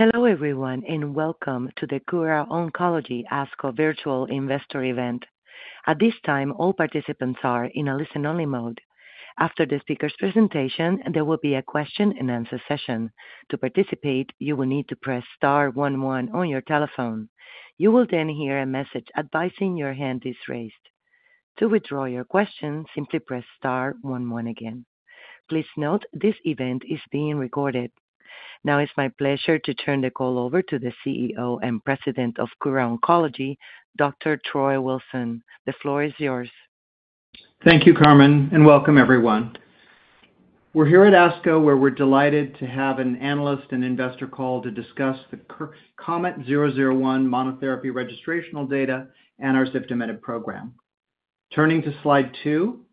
Hello everyone and welcome to the Kura Oncology ASCO virtual investor event. At this time, all participants are in a listen-only mode. After the speaker's presentation, there will be a question-and-answer session. To participate, you will need to press star one one on your telephone. You will then hear a message advising your hand is raised. To withdraw your question, simply press star one one again. Please note this event is being recorded. Now, it's my pleasure to turn the call over to the CEO and President of Kura Oncology, Dr. Troy Wilson. The floor is yours. Thank you, Carmen, and welcome everyone. We're here at ASCO where we're delighted to have an analyst and investor call to discuss the COMET-001 monotherapy registrational data and our ziftomenib program. Turning to slide two,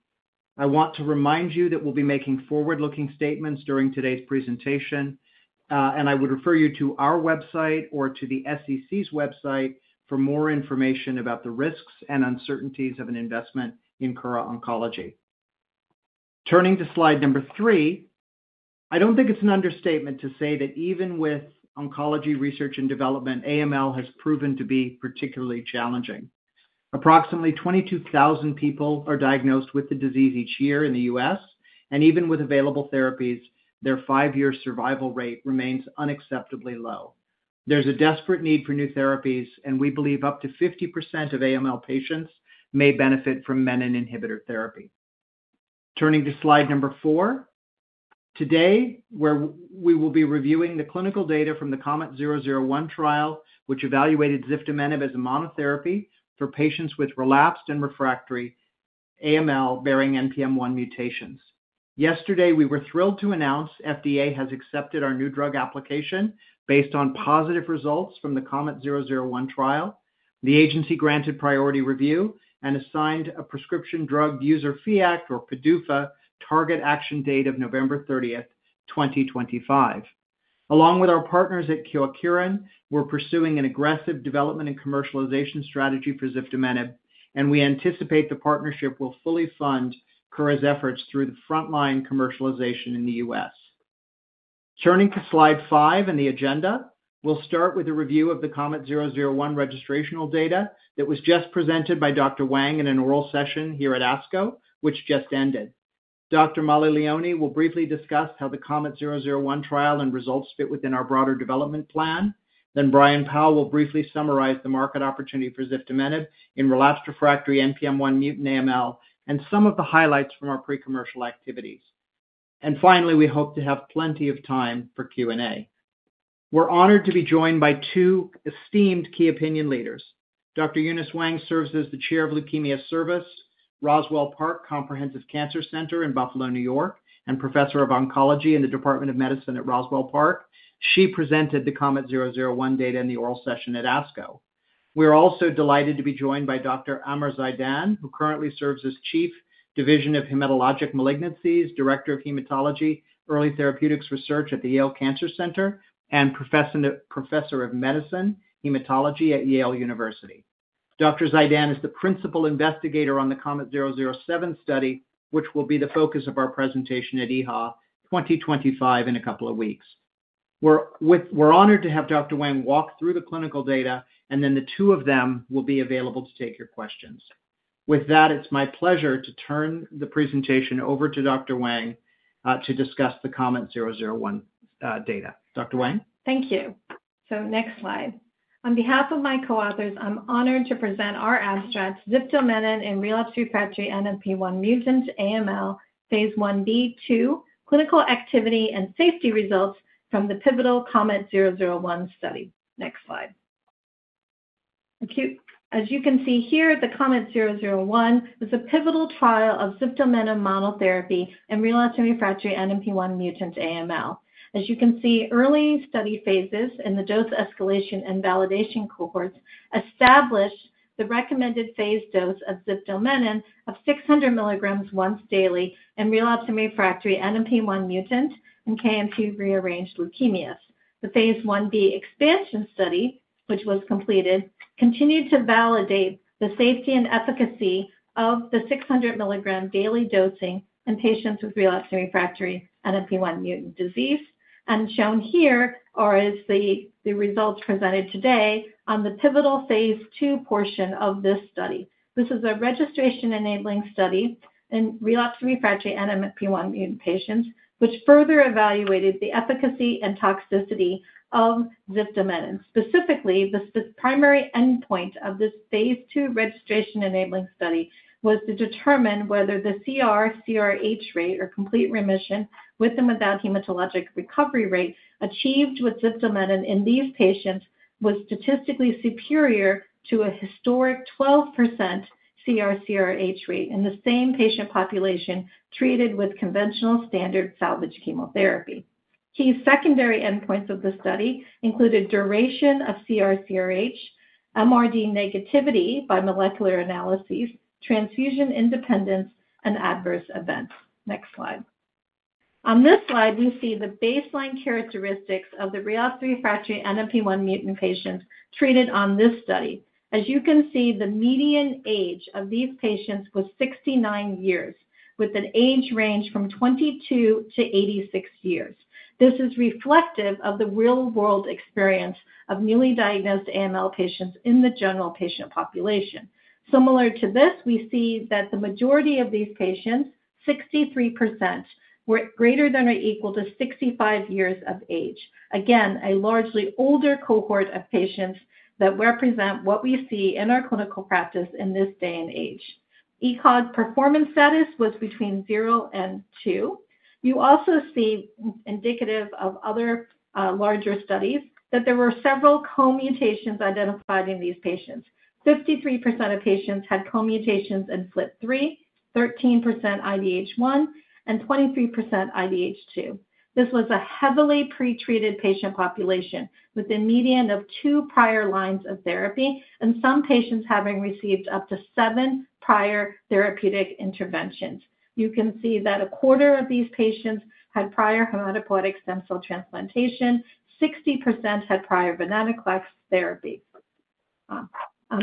I want to remind you that we'll be making forward-looking statements during today's presentation, and I would refer you to our website or to the SEC's website for more information about the risks and uncertainties of an investment in Kura Oncology. Turning to slide number three, I don't think it's an understatement to say that even with oncology research and development, AML has proven to be particularly challenging. Approximately 22,000 people are diagnosed with the disease each year in the U.S., and even with available therapies, their five-year survival rate remains unacceptably low. There's a desperate need for new therapies, and we believe up to 50% of AML patients may benefit from menin inhibitor therapy. Turning to slide number four, today we will be reviewing the clinical data from the COMET-001 trial, which evaluated ziftomenib as a monotherapy for patients with relapsed and refractory AML bearing NPM1 mutations. Yesterday, we were thrilled to announce FDA has accepted our new drug application based on positive results from the COMET-001 trial. The agency granted priority review and assigned a prescription drug user fee act or PDUFA target action date of November 30th, 2025. Along with our partners at Kyowa Kirin, we're pursuing an aggressive development and commercialization strategy for ziftomenib, and we anticipate the partnership will fully fund Kura's efforts through the frontline commercialization in the U.S. Turning to slide five in the agenda, we'll start with a review of the COMET-001 registrational data that was just presented by Dr. Wang in an oral session here at ASCO, which just ended. Dr. Mollie Leoni will briefly discuss how the COMET-001 trial and results fit within our broader development plan. Brian Powell will briefly summarize the market opportunity for ziftomenib in relapsed refractory NPM1-mutant AML and some of the highlights from our pre-commercial activities. Finally, we hope to have plenty of time for Q&A. We're honored to be joined by two esteemed key opinion leaders. Dr. Eunice Wang serves as the Chair of Leukemia Service at Roswell Park Comprehensive Cancer Center in Buffalo, New York, and Professor of Oncology in the Department of Medicine at Roswell Park. She presented the COMET-001 data in the oral session at ASCO. We are also delighted to be joined by Dr. Amer Zaidan, who currently serves as Chief, Division of Hematologic Malignancies, Director of Hematology, Early Therapeutics Research at the Yale Cancer Center, and Professor of Medicine, Hematology at Yale University. Dr. Zaidan is the principal investigator on the COMET-007 study, which will be the focus of our presentation at EHA 2025 in a couple of weeks. We're honored to have Dr. Wang walk through the clinical data, and then the two of them will be available to take your questions. With that, it's my pleasure to turn the presentation over to Dr. Wang to discuss the COMET-001 data. Dr. Wang? Thank you. Next slide. On behalf of my co-authors, I'm honored to present our abstract, ziftomenib in relapsed refractory NPM1-mutant AML, phase I-B/2, clinical activity and safety results from the pivotal COMET-001 study. Next slide. As you can see here, the COMET-001 is a pivotal trial of ziftomenib monotherapy in relapsed refractory NPM1-mutant AML. As you can see, early study phases in the dose escalation and validation cohorts established the recommended phase dose of ziftomenib of 600 mg once daily in relapsed and refractory NPM1-mutant and KMT2A rearranged leukemias. The phase I-B expansion study, which was completed, continued to validate the safety and efficacy of the 600 mg daily dosing in patients with relapsed and refractory NPM1-mutant disease, and shown here are the results presented today on the pivotal phase II portion of this study. This is a registration enabling study in relapsed and refractory NPM1-mutant patients, which further evaluated the efficacy and toxicity of ziftomenib. Specifically, the primary endpoint of this phase II registration enabling study was to determine whether the CR/CRh-rate, or complete remission with and without hematologic recovery rate, achieved with ziftomenib in these patients was statistically superior to a historic 12% CR/CRh-rate in the same patient population treated with conventional standard salvage chemotherapy. Key secondary endpoints of the study included duration of CR/CRh, MRD negativity by molecular analyses, transfusion independence, and adverse events. Next slide. On this slide, we see the baseline characteristics of the relapsed refractory NPM1-mutant patients treated on this study. As you can see, the median-age of these patients was 69 years, with an age range from 22 years-86 years. This is reflective of the real-world experience of newly diagnosed AML patients in the general patient population. Similar to this, we see that the majority of these patients, 63%, were greater than or equal to 65 years of age. Again, a largely older cohort of patients that represent what we see in our clinical practice in this day and age. ECOG performance status was between zero and two. You also see, indicative of other larger studies, that there were several co-mutations identified in these patients. 53% of patients had co-mutations in FLT3, 13% IDH1, and 23% IDH2. This was a heavily pretreated patient population with a median of two prior lines of therapy and some patients having received up to seven prior therapeutic interventions. You can see that a quarter of these patients had prior hematopoietic stem cell transplantation. 60% had prior venetoclax therapy. On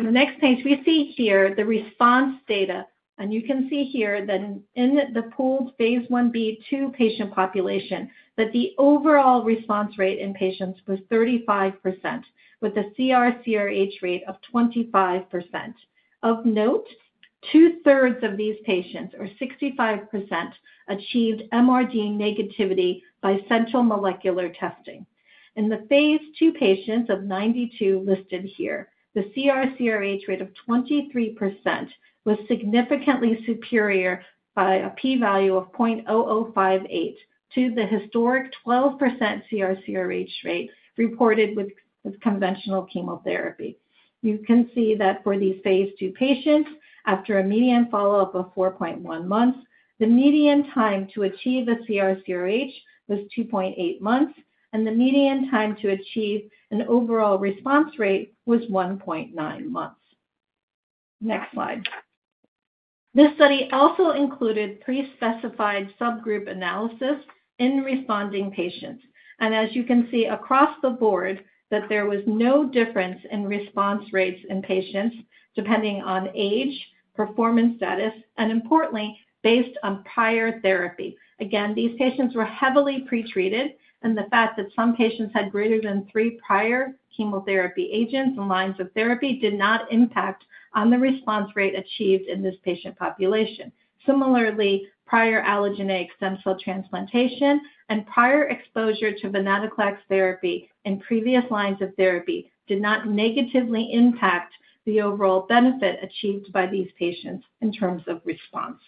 the next page, we see here the response data, and you can see here that in the pooled phase I-B/2 patient population, that the overall response-rate in patients was 35%, with a CR/CRh rate of 25%. Of note, two-thirds of these patients, or 65%, achieved MRD negativity by central molecular testing. In the phase II patients of 92 listed here, the CR/CRh rate of 23% was significantly superior by a p-value of 0.0058 to the historic 12% CR/CRh rate reported with conventional chemotherapy. You can see that for these phase II patients, after a median follow-up of 4.1 months, the median time to achieve a CR/CRh was 2.8 months, and the median time to achieve an overall response rate was 1.9 months. Next slide. This study also included pre-specified subgroup analysis in responding patients. As you can see across the board, there was no difference in response rates in patients depending on age, performance status, and importantly, based on prior therapy. Again, these patients were heavily pretreated, and the fact that some patients had greater than three prior chemotherapy agents and lines of therapy did not impact on the response rate achieved in this patient population. Similarly, prior allogeneic stem cell transplantation and prior exposure to venetoclax therapy in previous lines of therapy did not negatively impact the overall benefit achieved by these patients in terms of response.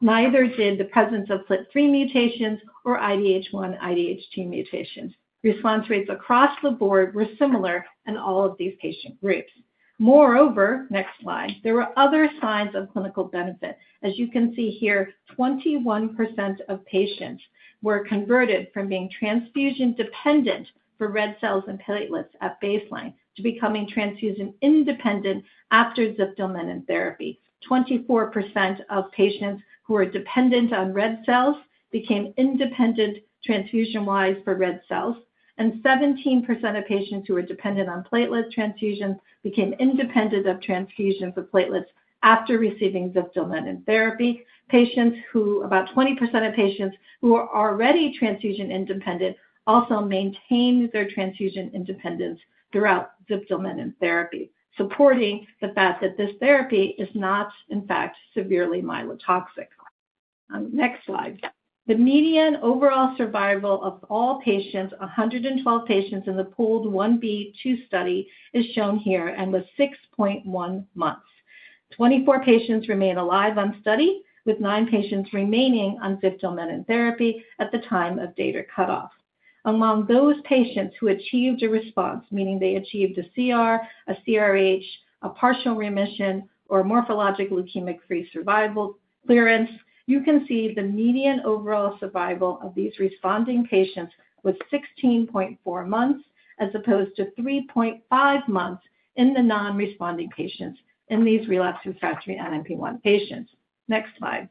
Neither did the presence of FLT3 mutations or IDH1, IDH2 mutations. Response rates across the board were similar in all of these patient groups. Moreover, next slide, there were other signs of clinical benefit. As you can see here, 21% of patients were converted from being transfusion dependent for red cells and platelets at baseline to becoming transfusion independent after ziftomenib therapy. 24% of patients who were dependent on red cells became independent transfusion-wise for red cells, and 17% of patients who were dependent on platelet transfusion became independent of transfusions of platelets after receiving ziftomenib therapy. About 20% of patients who were already transfusion independent also maintained their transfusion independence throughout ziftomenib therapy, supporting the fact that this therapy is not, in fact, severely myelotoxic. Next slide. The median overall survival of all patients, 112 patients in the pooled phase-I-B/2 study, is shown here and was 6.1 months. 24 patients remained alive on study, with nine patients remaining on ziftomenib therapy at the time of data cutoff. Among those patients who achieved a response, meaning they achieved a CR/CRh, a partial remission, or morphologic leukemic-free survival clearance, you can see the median overall survival of these responding patients was 16.4 months as opposed to 3.5 months in the non-responding patients in these relapsed refractory NPM1 patients. Next slide.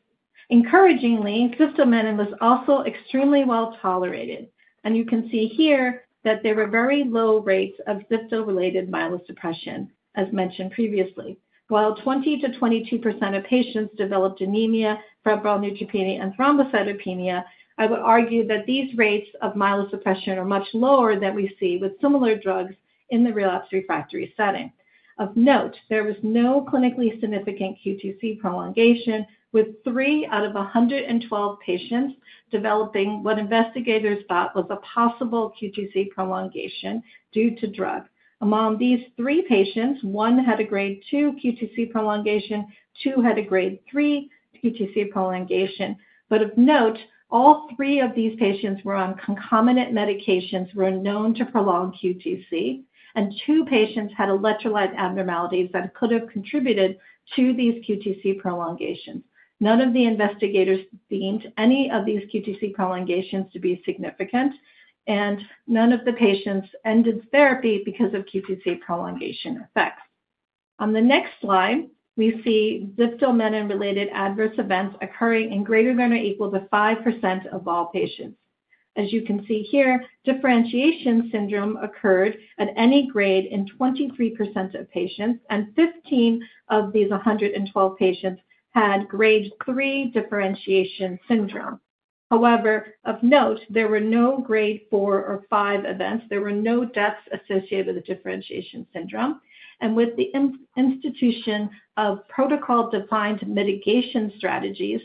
Encouragingly, ziftomenib was also extremely well tolerated, and you can see here that there were very low rates of ziftomenib-related myelosuppression, as mentioned previously. While 20%-22% of patients developed anemia, febrile neutropenia, and thrombocytopenia, I would argue that these rates of myelosuppression are much lower than we see with similar drugs in the relapsed refractory setting. Of note, there was no clinically significant QTc prolongation, with three out of 112 patients developing what investigators thought was a possible QTc prolongation due to drug. Among these three patients, one had a grade 2 QTc prolongation, two had a grade 3 QTc prolongation. Of note, all three of these patients were on concomitant medications that were known to prolong QTc, and two patients had electrolyte abnormalities that could have contributed to these QTc prolongations. None of the investigators deemed any of these QTc prolongations to be significant, and none of the patients ended therapy because of QTc prolongation effects. On the next slide, we see ziftomenib-related adverse events occurring in greater than or equal to 5% of all patients. As you can see here, differentiation syndrome occurred at any grade in 23% of patients, and 15 of these 112 patients had grade 3 differentiation syndrome. However, of note, there were no grade 4 or 5 events. There were no deaths associated with the differentiation syndrome. With the institution of protocol-defined mitigation strategies,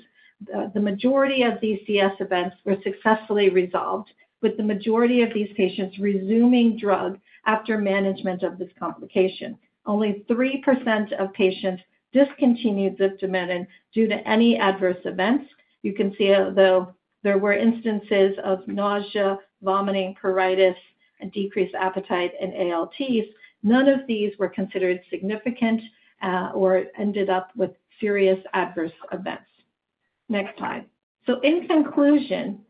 the majority of these differentiation syndrome events were successfully resolved, with the majority of these patients resuming drug after management of this complication. Only 3% of patients discontinued ziftomenib due to any adverse events. You can see, although there were instances of nausea, vomiting, pruritus, and decreased appetite in ALT elevations, none of these were considered significant or ended up with serious adverse events. Next slide. In conclusion,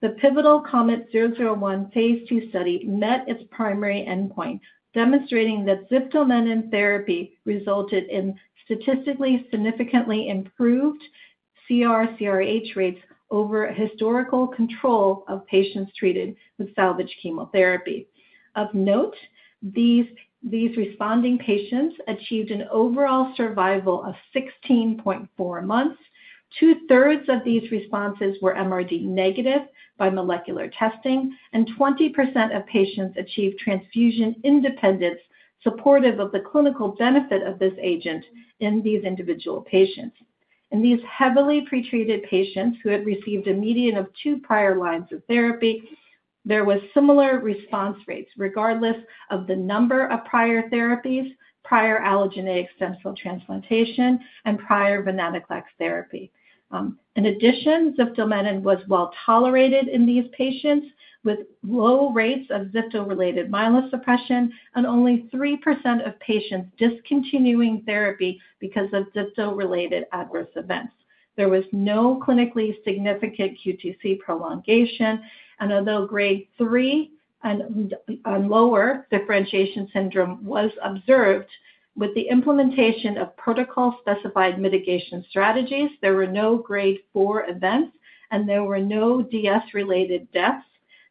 the pivotal COMET-001 phase II study met its primary endpoint, demonstrating that ziftomenib therapy resulted in statistically significantly improved CR/CRh rates over historical control of patients treated with salvage chemotherapy. Of note, these responding patients achieved an overall survival of 16.4 months. 2/3 of these responses were MRD negative by molecular testing, and 20% of patients achieved transfusion independence supportive of the clinical benefit of this agent in these individual patients. In these heavily pretreated patients who had received a median of two prior lines of therapy, there were similar response rates regardless of the number of prior therapies, prior allogeneic stem-cell transplantation, and prior venetoclax therapy. In addition, ziftomenib was well tolerated in these patients with low-rates of ziftomenib-related myelosuppression and only 3% of patients discontinuing therapy because of ziftomenib-related adverse events. There was no clinically significant QTc prolongation, and although grade 3 and lower differentiation syndrome was observed with the implementation of protocol-specified mitigation strategies, there were no grade 4 events, and there were no DS-related deaths.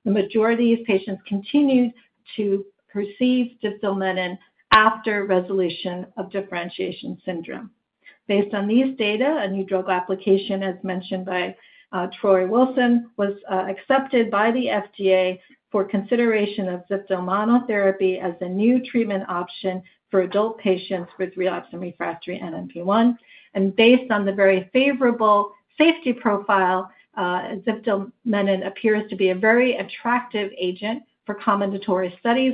The majority of patients continued to receive ziftomenib after resolution of differentiation syndrome. Based on these data, a new drug application, as mentioned by Troy Wilson, was accepted by the FDA for consideration of ziftomenib therapy as a new treatment option for adult patients with relapsed and refractory NPM1. Based on the very favorable safety profile, ziftomenib appears to be a very attractive agent for combinatory studies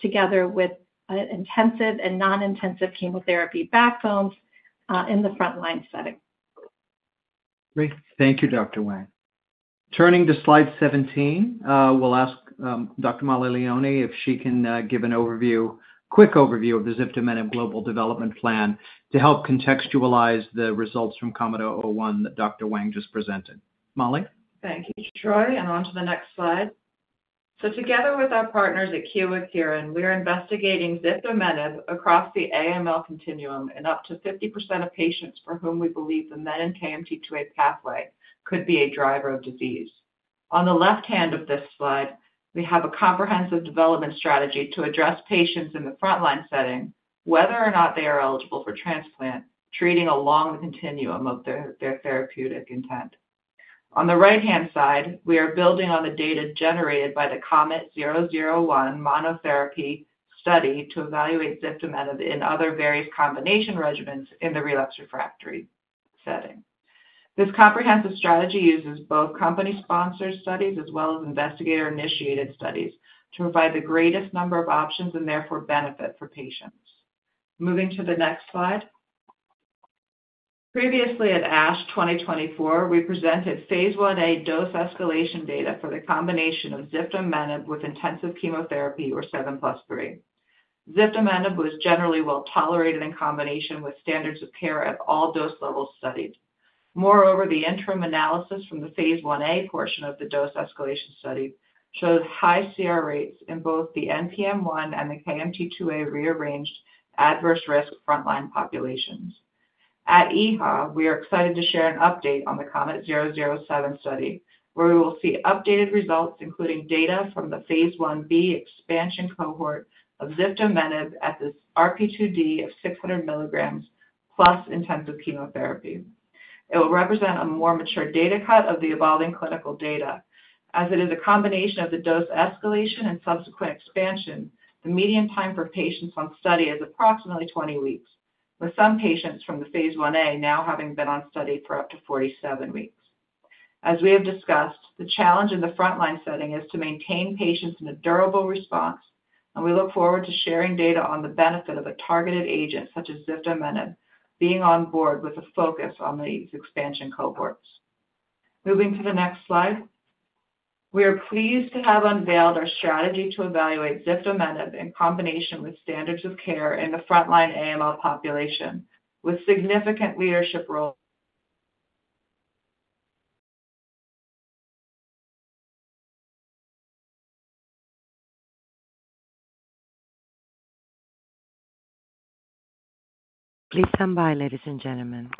together with intensive and non-intensive chemotherapy backbones in the frontline setting. Great. Thank you, Dr. Wang. Turning to slide 17, we'll ask Dr. Mollie Leoni if she can give a quick overview of the ziftomenib global development plan to help contextualize the results from COMET-001 that Dr. Wang just presented. Mollie? Thank you, Troy, and on to the next slide. Together with our partners at Kyowa Kirin, we're investigating ziftomenib across the AML continuum in up to 50% of patients for whom we believe the NPM1 and KMT2A pathway could be a driver of disease. On the left hand of this slide, we have a comprehensive development strategy to address patients in the frontline setting, whether or not they are eligible for transplant, treating along the continuum of their therapeutic intent. On the right-hand side, we are building on the data generated by the COMET-001 monotherapy study to evaluate ziftomenib in other various combination regimens in the relapsed refractory setting. This comprehensive strategy uses both company-sponsored studies as well as investigator-initiated studies to provide the greatest number of options and therefore benefit for patients. Moving to the next slide. Previously at ASH 2024, we presented phase I-A dose escalation data for the combination of ziftomenib with intensive chemotherapy, or 7+3. Ziftomenib was generally well tolerated in combination with standards of care at all dose levels studied. Moreover, the interim analysis from the phase I-A portion of the dose escalation study showed high CR rates in both the NPM1 and the KMT2A-rearranged adverse risk frontline populations. At EHA, we are excited to share an update on the COMET-007 study, where we will see updated results, including data from the phase I-B expansion cohort of ziftomenib at this RP2D of 600 mg plus intensive chemotherapy. It will represent a more mature data cut of the evolving clinical data. As it is a combination of the dose escalation and subsequent expansion, the median time for patients on study is approximately 20 weeks, with some patients from the phase I-A now having been on study for up to 47 weeks. As we have discussed, the challenge in the frontline setting is to maintain patients in a durable response, and we look forward to sharing data on the benefit of a targeted agent such as ziftomenib being on board with a focus on these expansion cohorts. Moving to the next slide. We are pleased to have unveiled our strategy to evaluate ziftomenib in combination with standards of care in the frontline AML population with significant leadership roles. Please come by, ladies and gentlemen.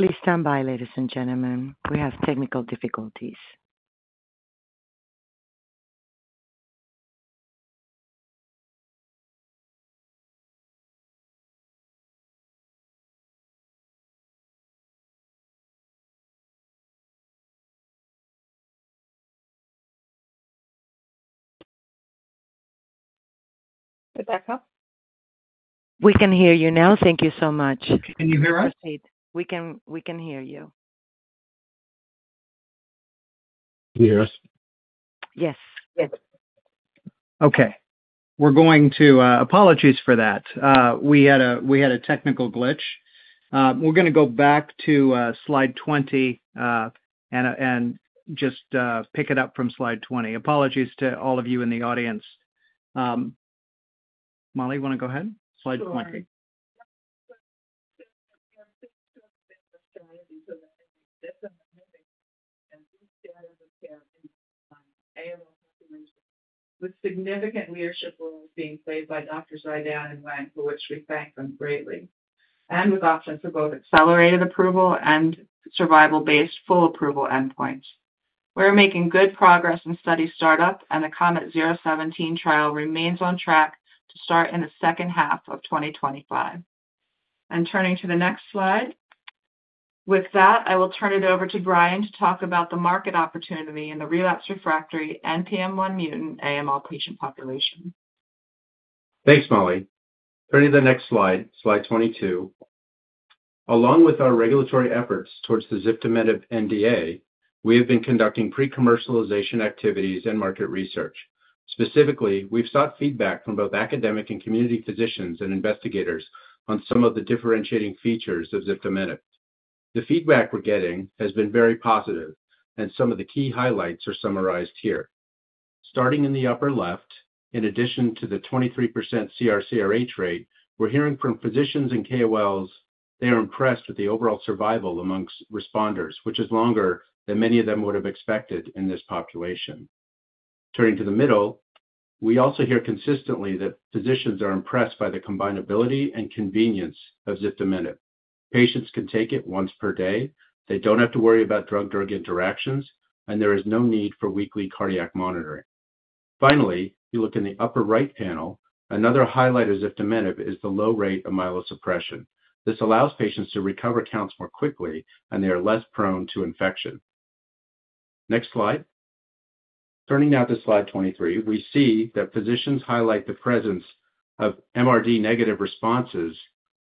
We have technical difficulties. We're back up. We can hear you now. Thank you so much. Can you hear us? We can hear you. Can you hear us? Yes. Yes. Okay. We're going to—apologies for that. We had a technical glitch. We're going to go back to slide 20 and just pick it up from slide 20. Apologies to all of you in the audience. Mollie, you want to go ahead? Slide 20. With significant leadership roles being played by Dr. Zaidan and Dr. Wang, for which we thank them greatly, and with options for both accelerated approval and survival-based full approval endpoints, we're making good progress in study startup, and the COMET-017 trial remains on track to start in the second half of 2025. Turning to the next slide. With that, I will turn it over to Brian to talk about the market opportunity in the relapsed refractory NPM1-mutant AML patient population. Thanks, Mollie. Turning to the next slide, slide 22. Along with our regulatory efforts towards the ziftomenib NDA, we have been conducting pre-commercialization activities and market research. Specifically, we've sought feedback from both academic and community physicians and investigators on some of the differentiating features of ziftomenib. The feedback we're getting has been very positive, and some of the key highlights are summarized here. Starting in the upper left, in addition to the 23% CR/CRh rate, we're hearing from physicians and KOLs they are impressed with the overall survival amongst responders, which is longer than many of them would have expected in this population. Turning to the middle, we also hear consistently that physicians are impressed by the combinability and convenience of ziftomenib. Patients can take it once per day. They don't have to worry about drug-drug interactions, and there is no need for weekly cardiac monitoring. Finally, if you look in the upper right panel, another highlight of ziftomenib is the low rate of myelosuppression. This allows patients to recover counts more quickly, and they are less prone to infection. Next slide. Turning now to slide 23, we see that physicians highlight the presence of MRD negative responses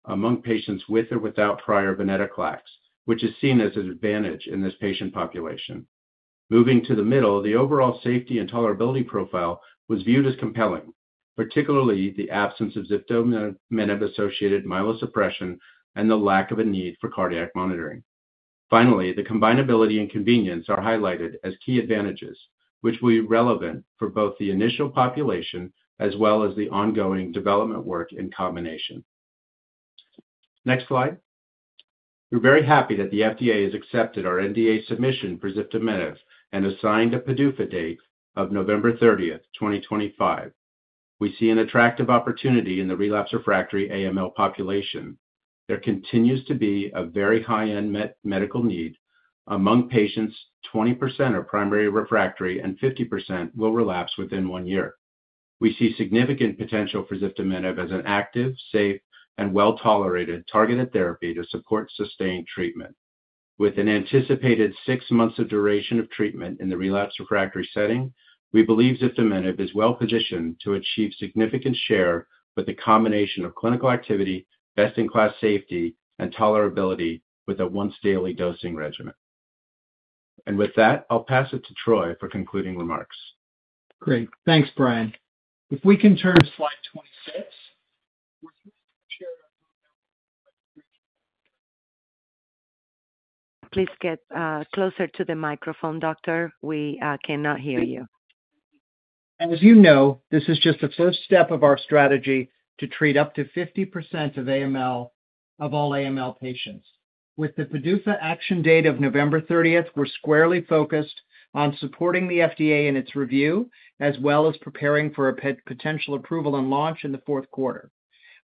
among patients with or without prior venetoclax, which is seen as an advantage in this patient population. Moving to the middle, the overall safety and tolerability profile was viewed as compelling, particularly the absence of ziftomenib-associated myelosuppression and the lack of a need for cardiac monitoring. Finally, the combinability and convenience are highlighted as key advantages, which will be relevant for both the initial population as well as the ongoing development work in combination. Next slide. We're very happy that the FDA has accepted our NDA submission for ziftomenib and assigned a PDUFA date of November 30th, 2025. We see an attractive opportunity in the relapsed refractory AML population. There continues to be a very high-end medical need. Among patients, 20% are primary refractory and 50% will relapse within one year. We see significant potential for ziftomenib as an active, safe, and well-tolerated targeted therapy to support sustained treatment. With an anticipated six-months of duration of treatment in the relapsed refractory setting, we believe ziftomenib is well-positioned to achieve significant share with the combination of clinical activity, best-in-class safety, and tolerability with a once-daily dosing regimen. With that, I'll pass it to Troy for concluding remarks. Great. Thanks, Brian. If we can turn to slide 26. Please get closer to the microphone, Doctor. We cannot hear you. As you know, this is just the first step of our strategy to treat up to 50% of all AML patients. With the PDUFA action date of November 30th, we are squarely focused on supporting the FDA in its review as well as preparing for a potential approval and launch in the fourth quarter.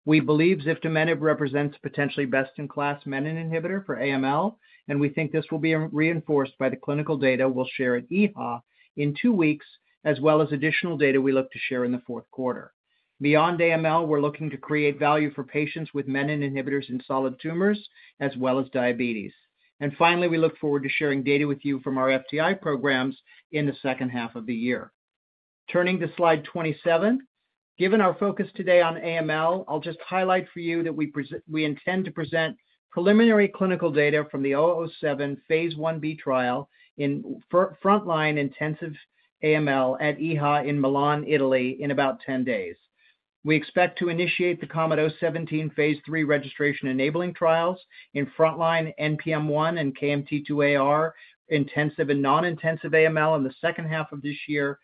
We believe ziftomenib represents potentially best-in-class menin inhibitor for AML, and we think this will be reinforced by the clinical data we'll share at EHA in two weeks as well as additional data we look to share in the fourth quarter. Beyond AML, we're looking to create value for patients with menin inhibitors in solid tumors as well as diabetes. Finally, we look forward to sharing data with you from our FTI programs in the second half of the year. Turning to slide 27, given our focus today on AML, I'll just highlight for you that we intend to present preliminary clinical data from the 007 phase 1-B trial in frontline intensive AML at EHA in Milan, Italy, in about 10 days. We expect to initiate the COMET-017 phase III registration enabling trials in frontline NPM1 and KMT2Ar intensive and non-intensive AML in the second half of this year.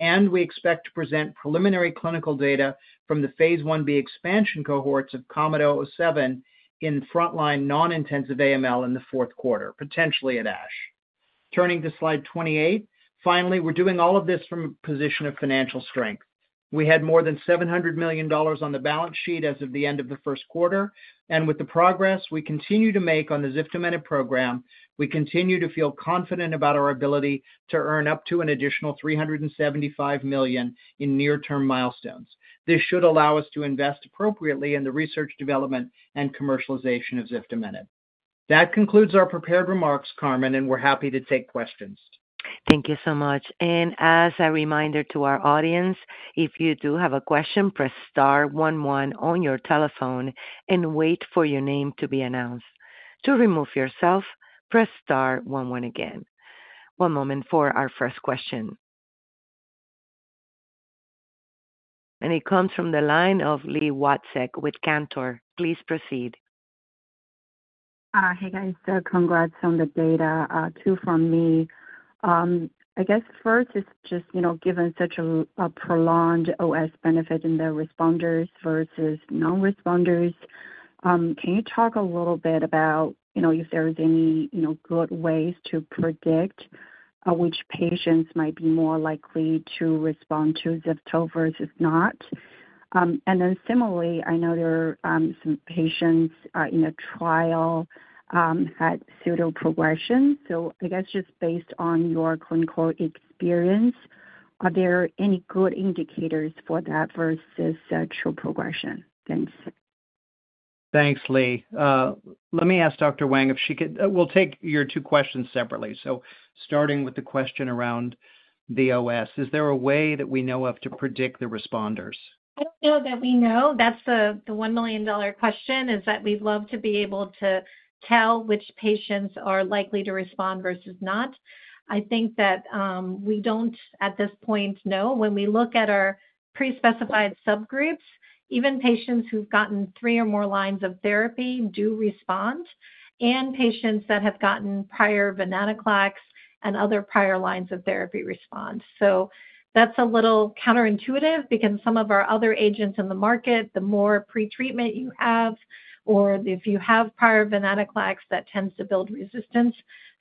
We expect to present preliminary clinical data from the phase I-B expansion cohorts of COMET-007 in frontline non-intensive AML in the fourth quarter, potentially at ASH. Turning to slide 28, finally, we're doing all of this from a position of financial strength. We had more than $700 million on the balance sheet as of the end of the first-quarter. With the progress we continue to make on the ziftomenib program, we continue to feel confident about our ability to earn up to an additional $375 million in near-term milestones. This should allow us to invest appropriately in the research, development, and commercialization of ziftomenib. That concludes our prepared remarks, Carmen, and we're happy to take questions. Thank you so much. As a reminder to our audience, if you do have a question, press star one one on your telephone and wait for your name to be announced. To remove yourself, press star one one again. One moment for our first question. It comes from the line of Lee Watts with Cantor. Please proceed. Hey, guys. Congrats on the data, too, from me. I guess first, it's just given such a prolonged OS benefit in the responders versus non-responders. Can you talk a little bit about if there's any good ways to predict which patients might be more likely to respond to Ziftomenib versus not? And then similarly, I know there are some patients in a trial had pseudo-progression. I guess just based on your clinical experience, are there any good indicators for that versus true progression? Thanks. Thanks, Lee. Let me ask Dr. Wang, if she could—we'll take your two questions separately. Starting with the question around the OS, is there a way that we know of to predict the responders? I don't know that we know. That's the a-million dollar question, is that we'd love to be able to tell which patients are likely to respond versus not. I think that we don't, at this point, know. When we look at our pre-specified subgroups, even patients who've gotten three or more lines of therapy do respond, and patients that have gotten prior venetoclax and other prior lines of therapy respond. That's a little counterintuitive because some of our other agents in the market, the more pretreatment you have, or if you have prior venetoclax, that tends to build resistance.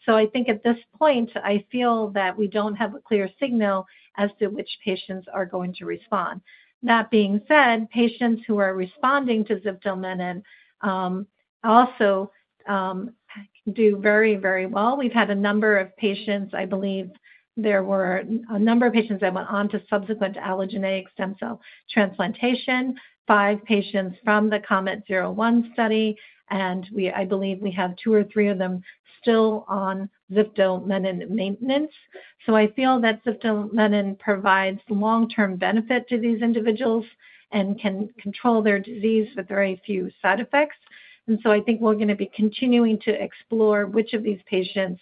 I think at this point, I feel that we don't have a clear signal as to which patients are going to respond. That being said, patients who are responding to ziftomenib also do very, very well. We've had a number of patients—I believe there were a number of patients that went on to subsequent allogeneic stem cell transplantation, five patients from the COMET-001 study, and I believe we have two or three of them still on ziftomenib maintenance. I feel that ziftomenib provides long-term benefit to these individuals and can control their disease with very few side effects. I think we're going to be continuing to explore which of these patients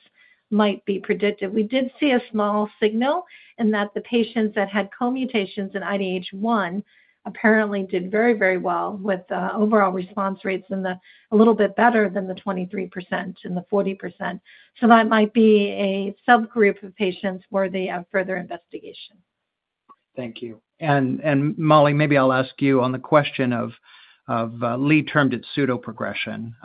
might be predicted. We did see a small signal in that the patients that had co-mutations in IDH1 apparently did very, very well with overall response rates a little bit better than the 23% and the 40%. That might be a subgroup of patients worthy of further investigation. Thank you. Mollie, maybe I'll ask you on the question of—Lee termed it pseudo-progression.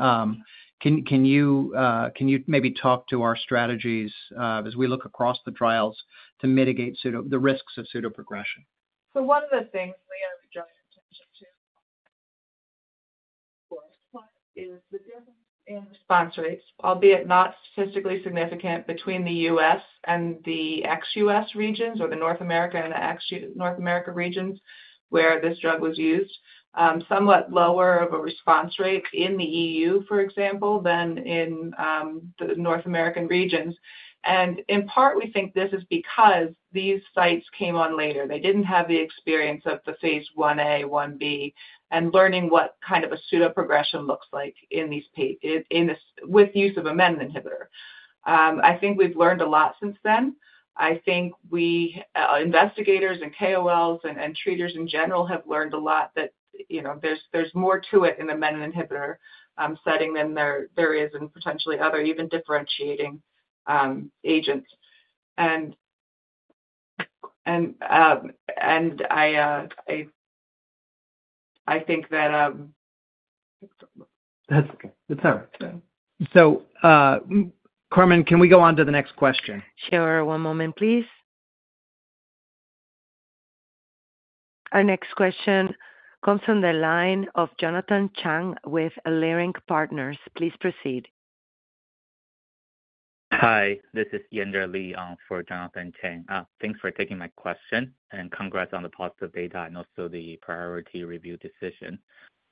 Can you maybe talk to our strategies as we look across the trials to mitigate the risks of pseudo-progression? One of the things Lee had major attention to is the difference in response rates, albeit not statistically significant, between the U.S. and the ex-U.S. regions or the North America and the ex-North America regions where this drug was used, somewhat lower of a response-rate in the EU, for example, than in the North American regions. In part, we think this is because these sites came on later. They did not have the experience of the phase I-A, I-B, and learning what kind of a pseudo-progression looks like with use of a menin inhibitor. I think we have learned a lot since then. I think we investigators and KOLs and treaters in general have learned a lot that there is more to it in the menin inhibitor setting than there is in potentially other even differentiating agents. I think that is okay. It is all right. Carmen, can we go on to the next question? Sure. One moment, please. Our next question comes from the line of Jonathan Chang with Lyric Partners. Please proceed. Hi. This is Yander Liang for Jonathan Chang. Thanks for taking my question and congrats on the positive data and also the priority review decision.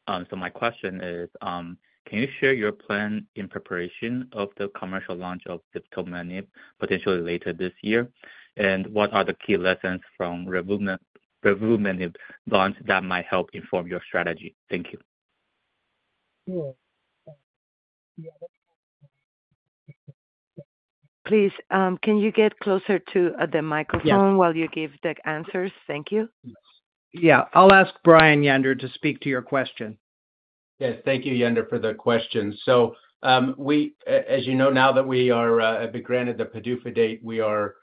My question is, can you share your plan in preparation of the commercial launch of ziftomenib potentially later this year? What are the key lessons from reviewing the launch that might help inform your strategy? Thank you. Please, can you get closer to the microphone while you give the answers? Thank you. Yeah. I'll ask Brian Yander to speak to your question. Yes. Thank you, Yander, for the question. As you know, now that we have been granted the PDUFA date, we are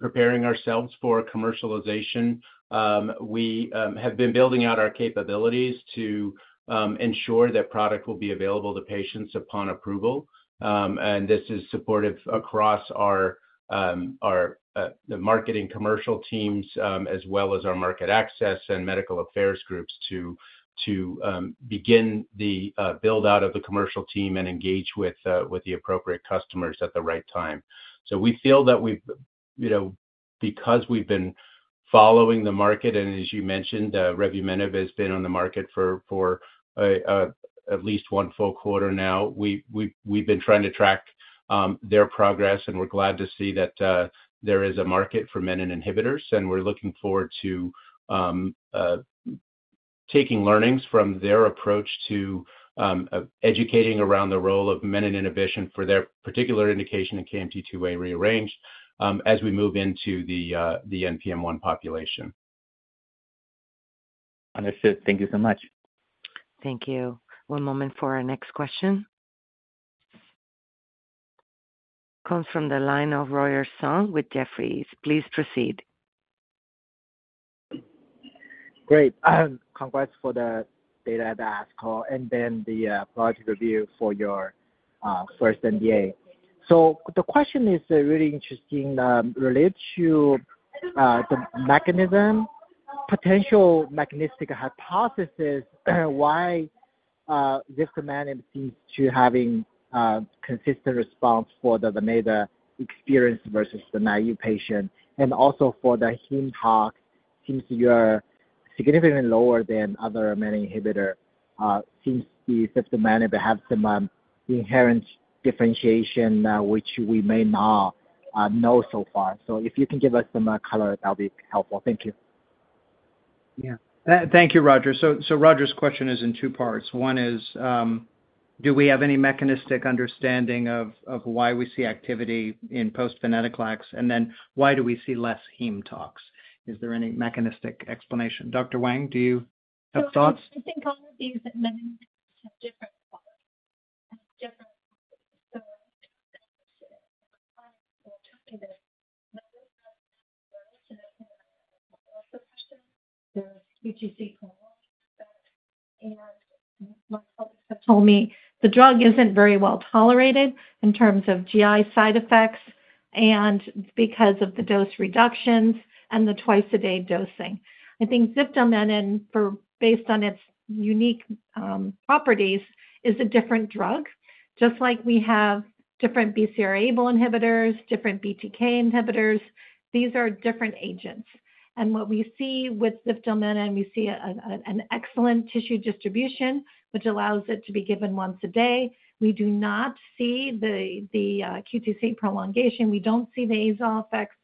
preparing ourselves for commercialization. We have been building out our capabilities to ensure that product will be available to patients upon approval. This is supportive across the marketing commercial teams as well as our market access and medical affairs groups to begin the build-out of the commercial team and engage with the appropriate customers at the right time. We feel that because we've been following the market, and as you mentioned, Revumenib has been on the market for at least one full quarter now, we've been trying to track their progress, and we're glad to see that there is a market for menin inhibitors. We're looking forward to taking learnings from their approach to educating around the role of menin inhibition for their particular indication in KMT2A rearranged as we move into the NPM1 population. Understood. Thank you so much. Thank you. One moment for our next question. Comes from the line of Roy Orson with Jefferies. Please proceed. Great. Congrats for the data that I asked for and then the project review for your first NDA. The question is really interesting related to the mechanism, potential mechanistic hypothesis, why ziftomenib seems to be having consistent response for the major experience versus the naive patient. Also, for the heme-path, seems to be significantly lower than other menin inhibitor. Seems the ziftomenib to have some inherent differentiation, which we may not know so far. If you can give us some color, that'll be helpful. Thank you. Yeah. Thank you, Roger. Roger's question is in two parts. One is, do we have any mechanistic understanding of why we see activity in post-venetoclax? Then why do we see less heme tox? Is there any mechanistic explanation? Dr. Wang, do you have thoughts? I think all of these menin inhibitors have different qualities. I think that the clinical targeted menin inhibitors are not relative to the menin inhibitors. That's the question. There's UGC promoting effects. My colleagues have told me the drug isn't very well tolerated in terms of GI side effects and because of the dose reductions and the twice-a-day dosing. I think ziftomenib, based on its unique properties, is a different drug. Just like we have different BCR-ABL inhibitors, different BTK inhibitors, these are different agents. What we see with ziftomenib, we see an excellent tissue distribution, which allows it to be given once a day. We do not see the QTc prolongation. We don't see the azole effects.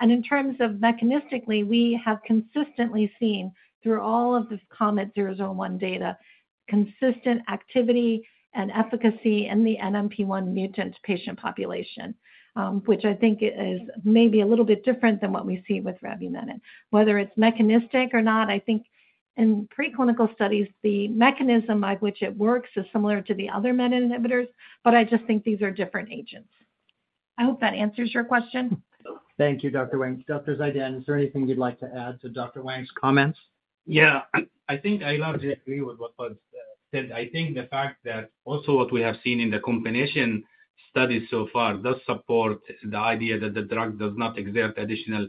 In terms of mechanistically, we have consistently seen through all of the COMET-001 data, consistent activity and efficacy in the NPM1 mutant patient population, which I think is maybe a little bit different than what we see with revumenib. Whether it's mechanistic or not, I think in preclinical studies, the mechanism by which it works is similar to the other menin inhibitors, but I just think these are different agents. I hope that answers your question. Thank you, Dr. Wang. Dr. Zaidan, is there anything you'd like to add to Dr. Wang's comments? Yeah. I think I love to agree with what was said. I think the fact that also what we have seen in the combination studies so far does support the idea that the drug does not exert additional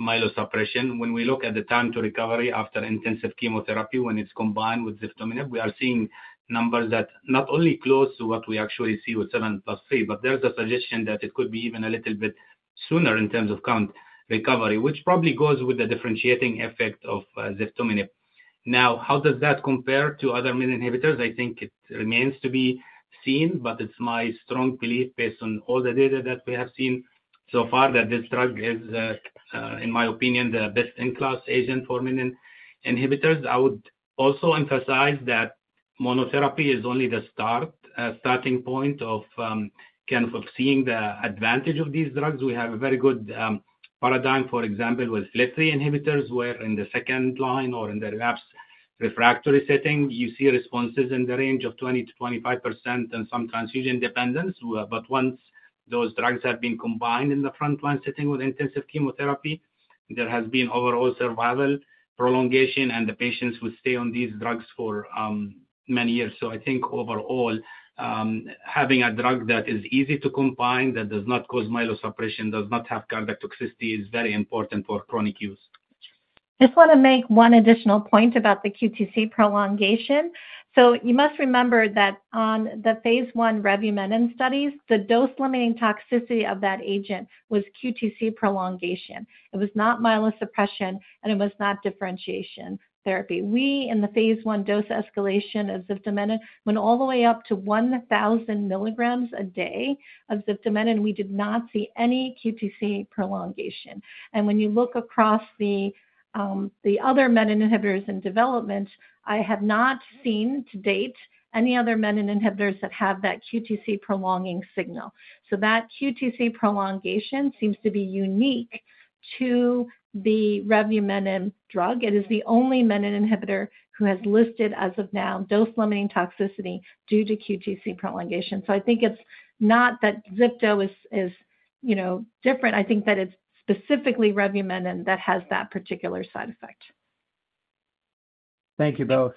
myelosuppression. When we look at the time to recovery after intensive chemotherapy, when it's combined with ziftomenib, we are seeing numbers that not only close to what we actually see with 7+3, but there's a suggestion that it could be even a little bit sooner in terms of count recovery, which probably goes with the differentiating effect of ziftomenib. Now, how does that compare to other menin inhibitors? I think it remains to be seen, but it's my strong belief based on all the data that we have seen so far that this drug is, in my opinion, the best-in-class agent for menin inhibitors. I would also emphasize that monotherapy is only the starting point of kind of seeing the advantage of these drugs. We have a very good paradigm, for example, with FLT3 inhibitors, where in the second line or in the relapse refractory setting, you see responses in the range of 20%-25% and some transfusion dependence. But once those drugs have been combined in the frontline setting with intensive chemotherapy, there has been overall survival prolongation, and the patients would stay on these drugs for many years. I think overall, having a drug that is easy to combine, that does not cause myelosuppression, does not have cardiac toxicity, is very important for chronic use. I just want to make one additional point about the QTc prolongation. You must remember that on the phase II Revumenib studies, the dose-limiting toxicity of that agent was QTc prolongation. It was not myelosuppression, and it was not differentiation syndrome. We in the phase I dose escalation of ziftomenib went all the way up to 1,000 mg a day of ziftomenib. We did not see any QTc prolongation. When you look across the other menin inhibitors in development, I have not seen to date any other menin inhibitors that have that QTc prolonging signal. That QTc prolongation seems to be unique to the revumenib drug. It is the only menin inhibitor who has listed as of now dose-limiting toxicity due to QTc prolongation. I think it's not that zifto is different. I think that it's specifically revumenib that has that particular side effect. Thank you both.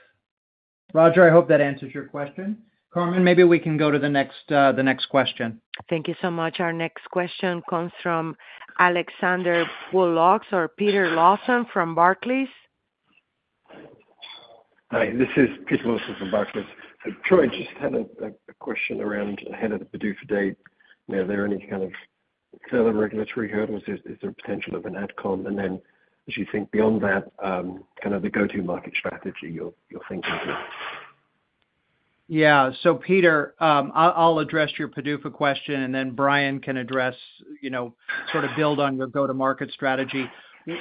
Roger, I hope that answers your question. Carmen, maybe we can go to the next question. Thank you so much. Our next question comes from Alexander Woollax or Peter Lawson from Barclays. Hi. This is Peter Lawson from Barclays. Troy, just had a question around ahead of the PDUFA date. Are there any kind of further regulatory hurdles? Is there a potential of an adcom? As you think beyond that, kind of the go-to-market strategy you're thinking through? Yeah. Peter, I'll address your PDUFA question, and then Brian can address, sort of build on your go-to-market strategy. We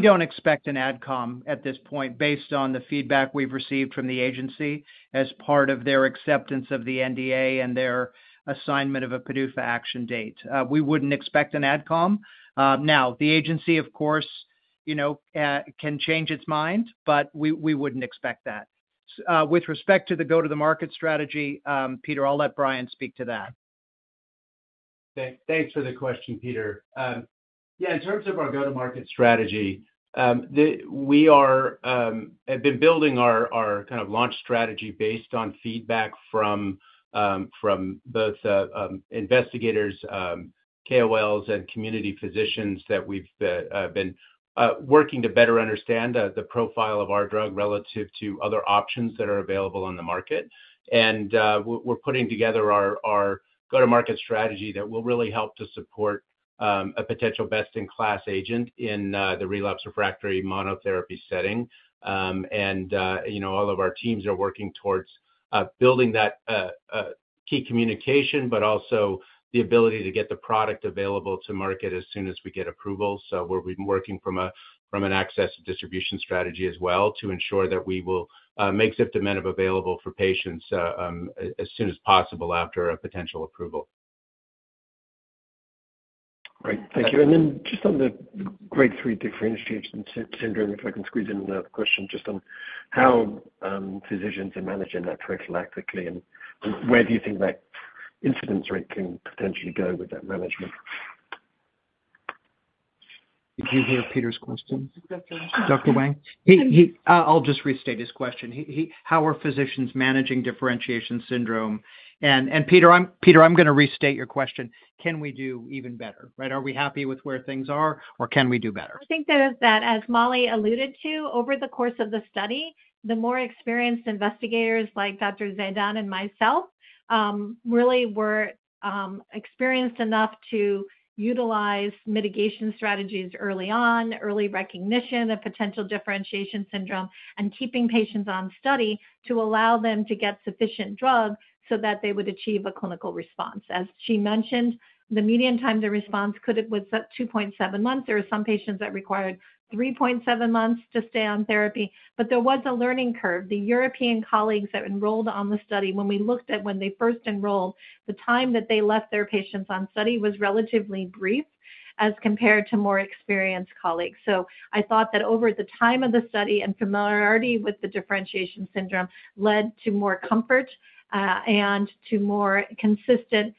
don't expect an adcom at this point based on the feedback we've received from the agency as part of their acceptance of the NDA and their assignment of a PDUFA action date. We wouldn't expect an adcom. The agency, of course, can change its mind, but we wouldn't expect that. With respect to the go-to-market strategy, Peter, I'll let Brian speak to that. Thanks for the question, Peter. Yeah. In terms of our go-to-market strategy, we have been building our kind of launch strategy based on feedback from both investigators, KOLs, and community physicians that we've been working to better understand the profile of our drug relative to other options that are available on the market. We are putting together our go-to-market strategy that will really help to support a potential best-in-class agent in the relapse refractory monotherapy setting. All of our teams are working towards building that key communication, but also the ability to get the product available to market as soon as we get approval. We have been working from an access distribution strategy as well to ensure that we will make ziftomenib available for patients as soon as possible after a potential approval. Great. Thank you. Just on the grade 3 differentiation syndrome, if I can squeeze in another question just on how physicians are managing that prophylactically and where do you think that incidence rate can potentially go with that management? Did you hear Peter's question? Dr. Wang? I'll just restate his question. How are physicians managing differentiation syndrome? And Peter, I'm going to restate your question. Can we do even better? Right? Are we happy with where things are, or can we do better? I think that as Molly alluded to, over the course of the study, the more experienced investigators like Dr. Zaidan and myself really were experienced enough to utilize mitigation strategies early on, early recognition of potential differentiation syndrome, and keeping patients on study to allow them to get sufficient drug so that they would achieve a clinical response. As she mentioned, the median time to response was 2.7 months. There were some patients that required 3.7 months to stay on therapy. There was a learning curve. The European colleagues that enrolled on the study, when we looked at when they first enrolled, the time that they left their patients on study was relatively brief as compared to more experienced colleagues. I thought that over the time of the study and familiarity with the differentiation syndrome led to more comfort and to more consistent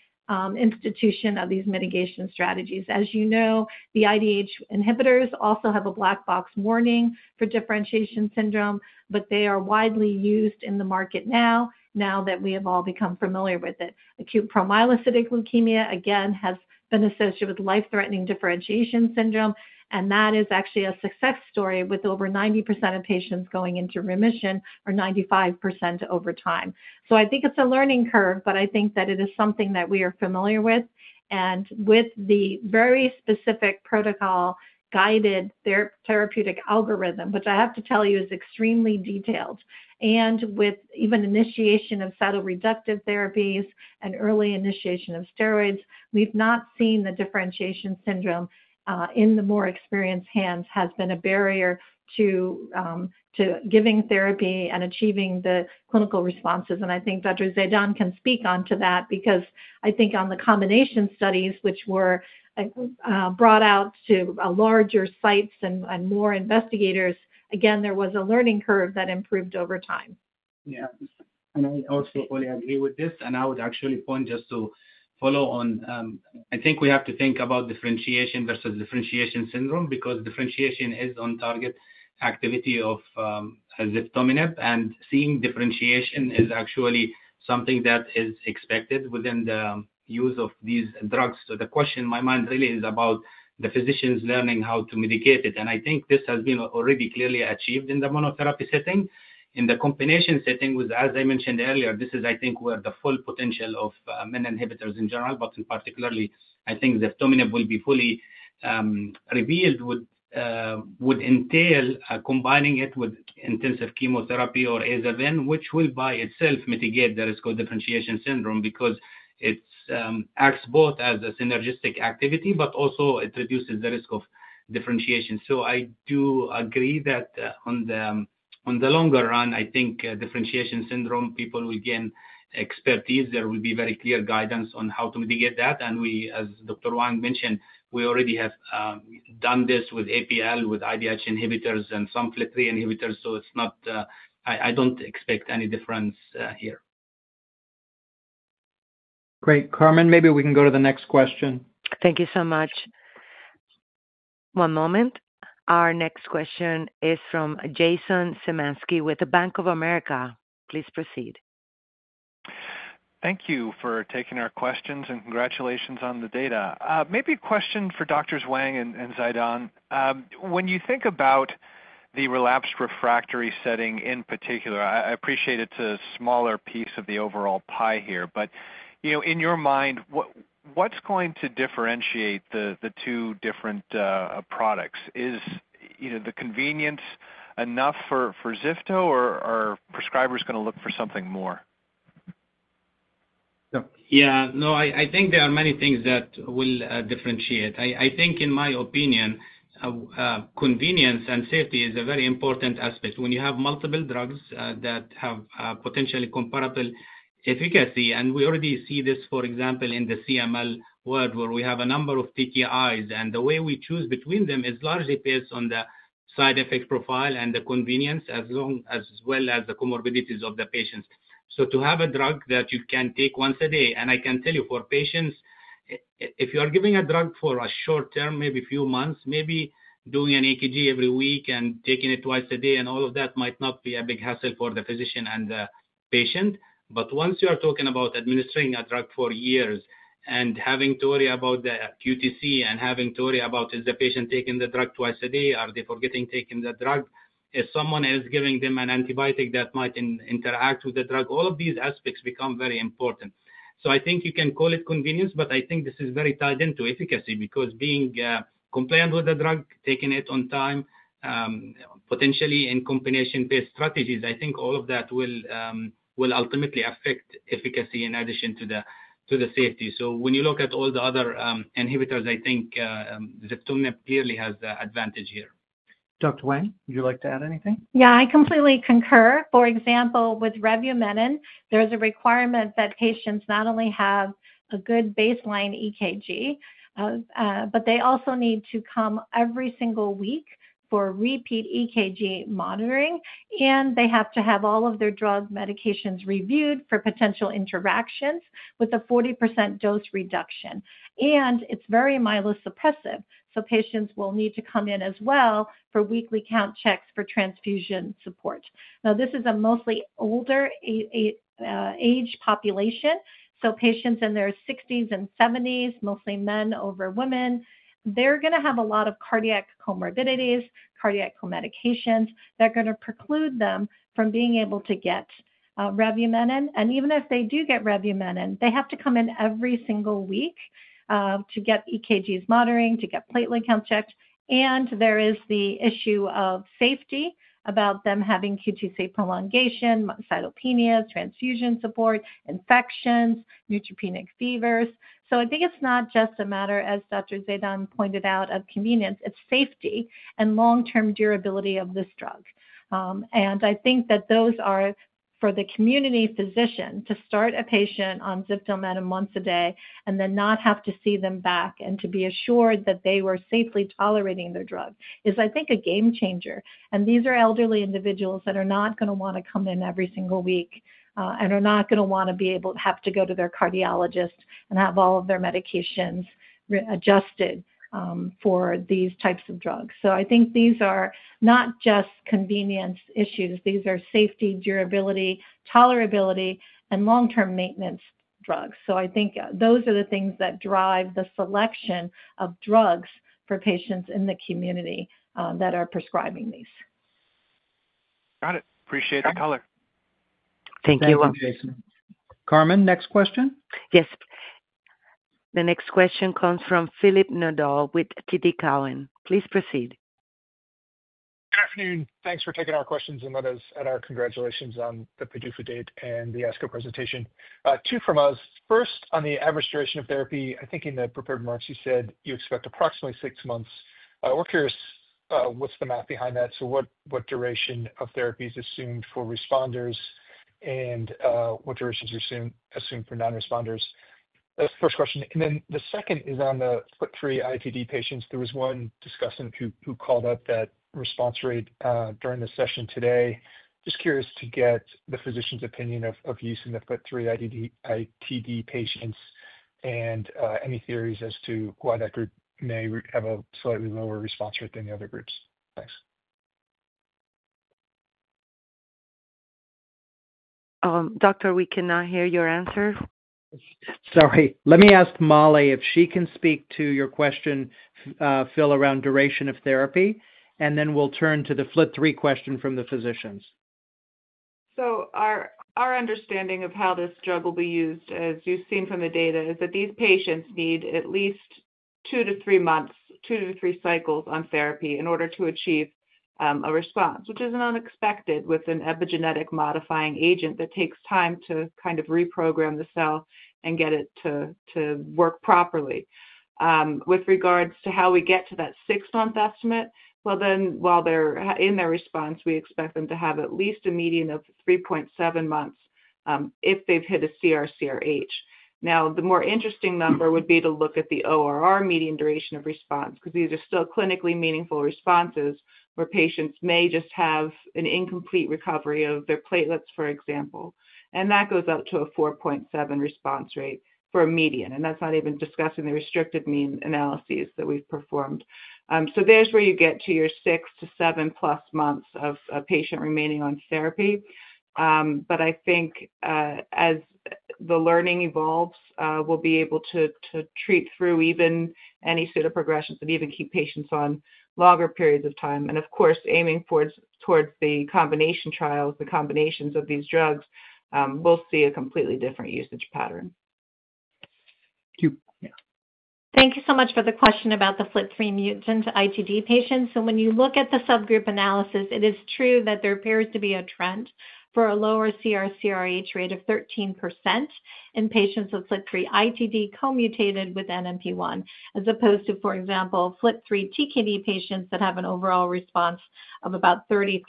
institution of these mitigation strategies. As you know, the IDH inhibitors also have a black box warning for differentiation syndrome, but they are widely used in the market now, now that we have all become familiar with it. Acute promyelocytic leukemia, again, has been associated with life-threatening differentiation syndrome, and that is actually a success story with over 90% of patients going into remission or 95% over time. I think it is a learning curve, but I think that it is something that we are familiar with. With the very specific protocol-guided therapeutic algorithm, which I have to tell you is extremely detailed, and with even initiation of cytoreductive therapies and early initiation of steroids, we have not seen that differentiation syndrome in the more experienced hands has been a barrier to giving therapy and achieving the clinical responses. I think Dr. Zaidan can speak to that because I think on the combination studies, which were brought out to larger sites and more investigators, again, there was a learning curve that improved over time. Yeah. I also fully agree with this. I would actually point just to follow on. I think we have to think about differentiation versus differentiation syndrome because differentiation is on-target activity of ziftomenib, and seeing differentiation is actually something that is expected within the use of these drugs. The question in my mind really is about the physicians learning how to mitigate it. I think this has been already clearly achieved in the monotherapy setting. In the combination setting, as I mentioned earlier, this is, I think, where the full potential of menin inhibitors in general, but particularly, I think ziftomenib will be fully revealed, would entail combining it with intensive chemotherapy or azacitidine, which will by itself mitigate the risk of differentiation syndrome because it acts both as a synergistic activity, but also it reduces the risk of differentiation. I do agree that on the longer run, I think differentiation syndrome, people will gain expertise. There will be very clear guidance on how to mitigate that. We, as Dr. Wang mentioned, we already have done this with APL, with IDH inhibitors, and some FLT3 inhibitors. I do not expect any difference here. Great. Carmen, maybe we can go to the next question. Thank you so much. One moment. Our next question is from Jason Szymanski with the Bank of America. Please proceed. Thank you for taking our questions and congratulations on the data. Maybe a question for Doctors Wang and Zaidan. When you think about the relapse refractory setting in particular, I appreciate it is a smaller piece of the overall pie here. In your mind, what is going to differentiate the two different products? Is the convenience enough for Zifto, or are prescribers going to look for something more? Yeah. No, I think there are many things that will differentiate. I think, in my opinion, convenience and safety is a very important aspect when you have multiple drugs that have potentially comparable efficacy. We already see this, for example, in the CML world, where we have a number of TTIs, and the way we choose between them is largely based on the side effect profile and the convenience as well as the comorbidities of the patients. To have a drug that you can take once a day. I can tell you for patients, if you are giving a drug for a short term, maybe a few months, maybe doing an EKG every week and taking it twice a day, all of that might not be a big hassle for the physician and the patient. Once you are talking about administering a drug for years and having to worry about the QTc and having to worry about, is the patient taking the drug twice a day? Are they forgetting taking the drug? If someone is giving them an antibiotic that might interact with the drug, all of these aspects become very important. I think you can call it convenience, but I think this is very tied into efficacy because being compliant with the drug, taking it on time, potentially in combination-based strategies, I think all of that will ultimately affect efficacy in addition to the safety. When you look at all the other inhibitors, I think ziftomenib clearly has the advantage here. Dr. Wang, would you like to add anything? Yeah. I completely concur. For example, with revumenib, there is a requirement that patients not only have a good baseline EKG, but they also need to come every single week for repeat EKG monitoring, and they have to have all of their drug medications reviewed for potential interactions with a 40% dose reduction. It is very myelosuppressive. Patients will need to come in as well for weekly count checks for transfusion support. Now, this is a mostly older age population. So patients in their 60s and 70s, mostly men over women, they're going to have a lot of cardiac comorbidities, cardiac medications that are going to preclude them from being able to get revumenib. And even if they do get revumenib, they have to come in every single week to get EKGs monitoring, to get platelet count checks. And there is the issue of safety about them having QTc prolongation, cytopenias, transfusion support, infections, neutropenic fevers. So I think it's not just a matter, as Dr. Zaidan pointed out, of convenience. It's safety and long-term durability of this drug. I think that those are for the community physician to start a patient on ziftomenib once a day and then not have to see them back and to be assured that they were safely tolerating their drug is, I think, a game changer. These are elderly individuals that are not going to want to come in every single week and are not going to want to have to go to their cardiologist and have all of their medications adjusted for these types of drugs. I think these are not just convenience issues. These are safety, durability, tolerability, and long-term maintenance drugs. I think those are the things that drive the selection of drugs for patients in the community that are prescribing these. Got it. Appreciate the color. Thank you. Thank you, Jason. Carmen, next question? Yes. The next question comes from Philip Nodal with TD Cowen.Please proceed. Good afternoon. Thanks for taking our questions and let us add our congratulations on the PDUFA date and the ASCO presentation. Two from us. First, on the average duration of therapy, I think in the prepared marks, you said you expect approximately six months. We're curious what's the math behind that. So what duration of therapy is assumed for responders and what durations are assumed for non-responders? That's the first question. And then the second is on the FLT3 ITD patients. There was one discussant who called up that response rate during the session today. Just curious to get the physician's opinion of use in the FLT3 ITD patients and any theories as to why that group may have a slightly lower response rate than the other groups. Thanks. Doctor, we cannot hear your answer. Sorry. Let me ask Mollie if she can speak to your question, Phil, around duration of therapy, and then we'll turn to the FLT3 question from the physicians. Our understanding of how this drug will be used, as you've seen from the data, is that these patients need at least two to three months, two to three cycles on therapy in order to achieve a response, which isn't unexpected with an epigenetic modifying agent that takes time to kind of reprogram the cell and get it to work properly. With regards to how we get to that six-month estimate, while they're in their response, we expect them to have at least a median of 3.7 months if they've hit a CR/CRh. Now, the more interesting number would be to look at the ORR, median duration of response, because these are still clinically meaningful responses where patients may just have an incomplete recovery of their platelets, for example. That goes up to a 4.7 response-rate for a median. That is not even discussing the restricted mean analyses that we have performed. There is where you get to your six- to seven-plus months of a patient remaining on therapy. I think as the learning evolves, we will be able to treat through even any pseudo-progressions and even keep patients on longer periods of time. Of course, aiming towards the combination trials, the combinations of these drugs, we will see a completely different usage pattern. Thank you. Thank you so much for the question about the FLT3 mutant ITD patients. When you look at the subgroup analysis, it is true that there appears to be a trend for a lower CR/CRh rate of 13% in patients with FLT3 ITD co-mutated with NPM1, as opposed to, for example, FLT3 TKD patients that have an overall response of about 33%.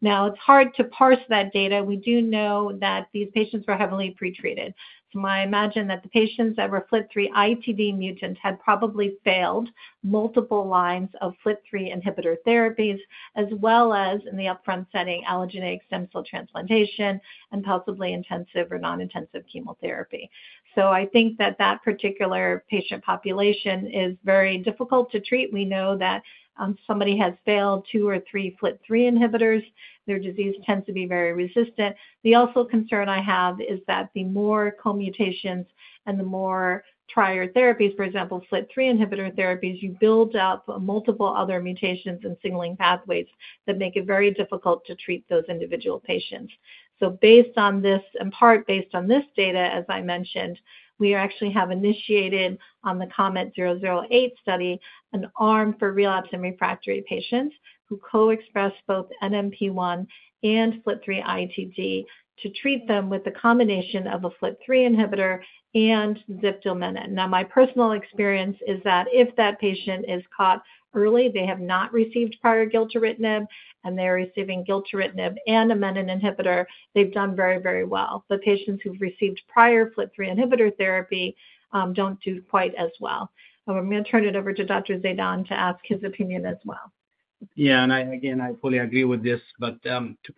Now, it's hard to parse that data. We do know that these patients were heavily pretreated. I imagine that the patients that were FLT3 ITD mutant had probably failed multiple lines of FLT3 inhibitor therapies, as well as, in the upfront setting, allogeneic stem cell transplantation and possibly intensive or non-intensive chemotherapy. I think that that particular patient population is very difficult to treat. We know that somebody has failed two or three FLT3 inhibitors. Their disease tends to be very resistant. The also concern I have is that the more co-mutations and the more prior therapies, for example, FLT3 inhibitor therapies, you build up multiple other mutations and signaling pathways that make it very difficult to treat those individual patients. So based on this, in part based on this data, as I mentioned, we actually have initiated on the COMET-008 study an arm for relapsed and refractory patients who co-express both NPM1 and FLT3 ITD to treat them with the combination of a FLT3 inhibitor and ziftomenib. Now, my personal experience is that if that patient is caught early, they have not received prior gilteritinib, and they're receiving gilteritinib and a menin inhibitor, they've done very, very well. But patients who've received prior FLT3 inhibitor therapy do not do quite as well. I'm going to turn it over to Dr. Zaidan to ask his opinion as well. Yeah. I fully agree with this. To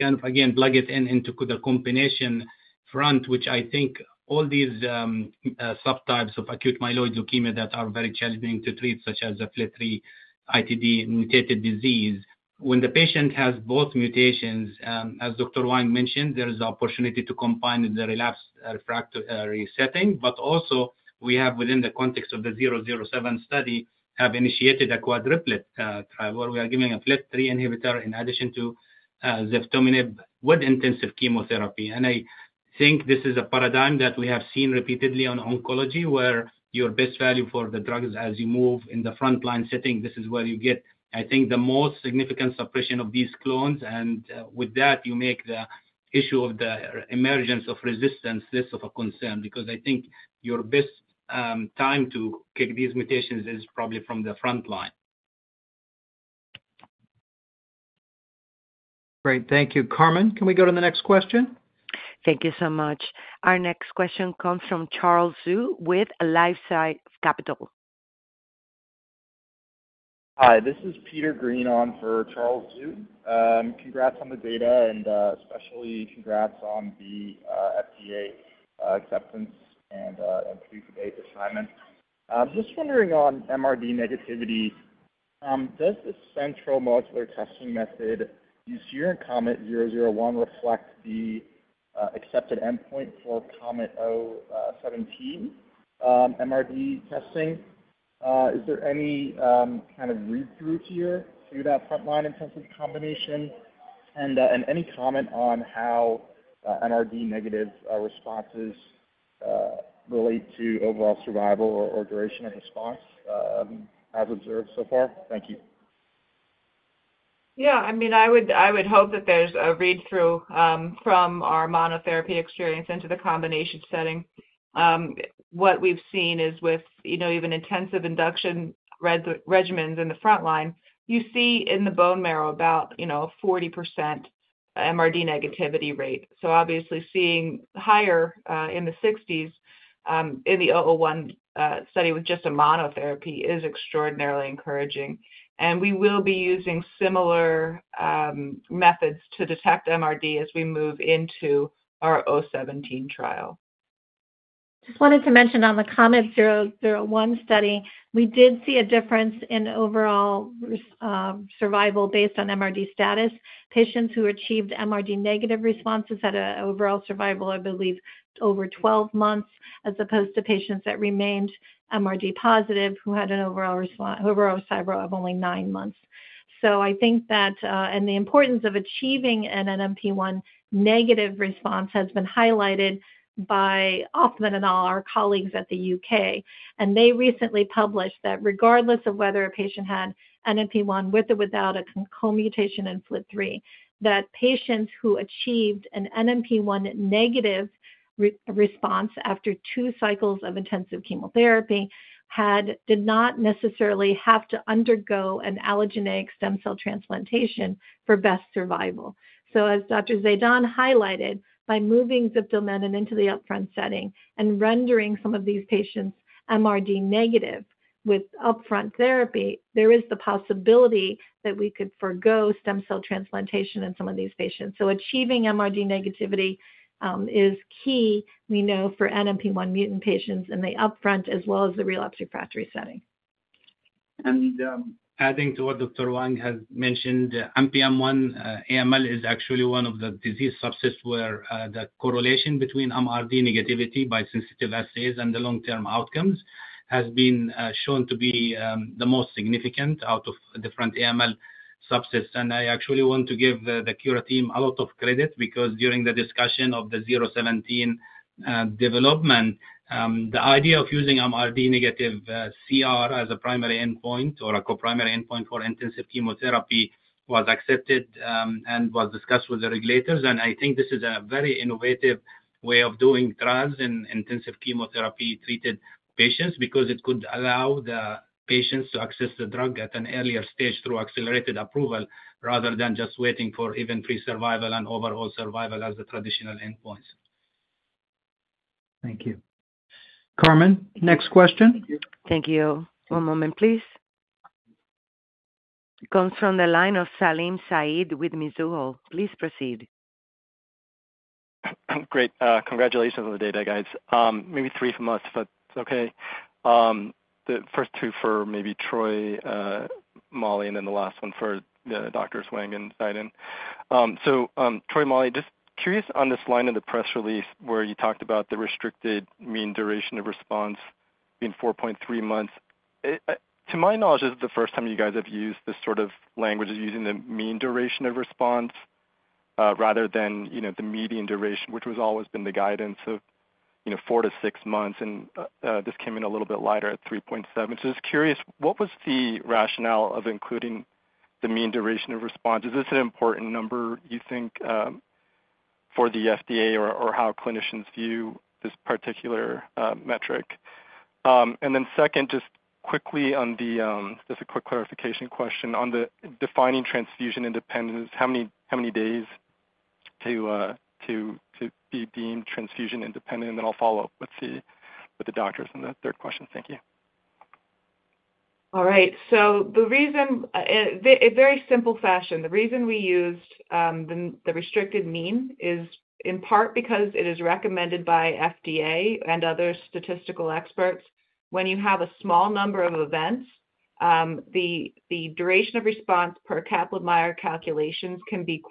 kind of, again, plug it in into the combination front, which I think all these subtypes of acute myeloid leukemia that are very challenging to treat, such as the FLT3 ITD mutated disease, when the patient has both mutations, as Dr. Wang mentioned, there is an opportunity to combine the relapse refractory setting. Also, we have, within the context of the 007 study, initiated a quadriplet trial where we are giving a FLT3 inhibitor in addition to ziftomenib with intensive chemotherapy. I think this is a paradigm that we have seen repeatedly in oncology, where your best value for the drugs as you move in the frontline setting, this is where you get, I think, the most significant suppression of these clones. With that, you make the issue of the emergence of resistance less of a concern because I think your best time to kick these mutations is probably from the frontline. Great. Thank you. Carmen, can we go to the next question? Thank you so much. Our next question comes from Charles Zhu with LifeSci Capital. Hi. This is Peter Green on for Charles Zhu. Congrats on the data, and especially congrats on the FDA acceptance and PDUFA date assignment. Just wondering on MRD negativity, does the central modular testing method used here in COMET-001 reflect the accepted endpoint for COMET-017 MRD testing? Is there any kind of read-through here through that frontline intensive combination? Any comment on how MRD negative responses relate to overall survival or duration of response as observed so far? Thank you. Yeah. I mean, I would hope that there's a read-through from our monotherapy experience into the combination setting. What we've seen is with even intensive induction regimens in the frontline, you see in the bone marrow about 40% MRD negativity rate. Obviously, seeing higher in the 60% range in the 001 study with just a monotherapy is extraordinarily encouraging. We will be using similar methods to detect MRD as we move into our 017 trial. Just wanted to mention on the COMET-001 study, we did see a difference in overall survival based on MRD status. Patients who achieved MRD negative responses had an overall survival, I believe, over 12 months, as opposed to patients that remained MRD positive who had an overall survival of only nine months. I think that the importance of achieving an NPM1 negative response has been highlighted by Hoffmann and all our colleagues in the U.K. They recently published that regardless of whether a patient had NPM1 with or without a co-mutation in FLT3, patients who achieved an NPM1 negative response after two cycles of intensive chemotherapy did not necessarily have to undergo an allogeneic stem cell transplantation for best survival. As Dr. Zaidan highlighted, by moving ziftomenib into the upfront setting and rendering some of these patients MRD negative with upfront therapy, there is the possibility that we could forgo stem cell transplantation in some of these patients. Achieving MRD negativity is key, we know, for NPM1 mutant patients in the upfront as well as the relapsed refractory setting. Adding to what Dr. Wang has mentioned, NPM1 AML is actually one of the disease subsets where the correlation between MRD negativity by sensitive assays and the long-term outcomes has been shown to be the most significant out of different AML subsets. I actually want to give the Kura team a lot of credit because during the discussion of the 017 development, the idea of using MRD negative CR as a primary endpoint or a co-primary endpoint for intensive chemotherapy was accepted and was discussed with the regulators. I think this is a very innovative way of doing trials in intensive chemotherapy-treated patients because it could allow the patients to access the drug at an earlier stage through accelerated approval rather than just waiting for event-free survival and overall survival as the traditional endpoints. Thank you. Carmen, next question? Thank you. One moment, please. Comes from the line of Salim Saeed with Mizuho. Please proceed. Great. Congratulations on the data, guys. Maybe three from us, if that's okay. The first two for maybe Troy, Mollie, and then the last one for the doctors, Wang and Zaidan. So Troy, Mollie, just curious on this line of the press release where you talked about the restricted mean duration of response being 4.3 months. To my knowledge, this is the first time you guys have used this sort of language of using the mean duration of response rather than the median duration, which has always been the guidance of four-to-six months. And this came in a little bit lighter at 3.7. Just curious, what was the rationale of including the mean duration of response? Is this an important number, you think, for the FDA or how clinicians view this particular metric? And then second, just quickly on the just a quick clarification question on the defining transfusion independence, how many days to be deemed transfusion independent? And then I'll follow up with the doctors on that third question. Thank you. All right. The reason in a very simple fashion, the reason we used the restricted mean is in part because it is recommended by FDA and other statistical experts. When you have a small number of events, the duration of response per Kaplan-Meier calculations can be